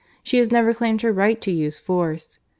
She has never claimed her right to use force.